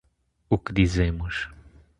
O que dizemos